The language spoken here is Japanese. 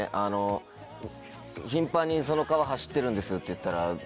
頻繁にその川走ってるんですって言ったら。